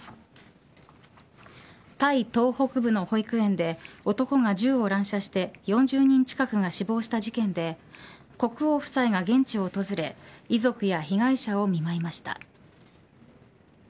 タイ東北部の保育園で男が銃を乱射して４０人近くが死亡した事件で国王夫妻が現地を訪れ遺族や被害者を見舞いました。